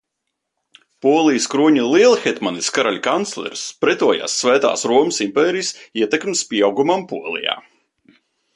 Polijas kroņa lielhetmanis, karaļa kanclers, pretojās Svētās Romas impērijas ietekmes pieaugumam Polijā.